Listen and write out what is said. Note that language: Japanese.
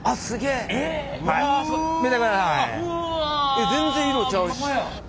えっ全然色ちゃうし。